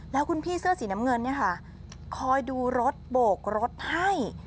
แล้วคุณพี่เสื้อสีน้ำเงินเนี่ยค่ะคอยดูรถโบกรถให้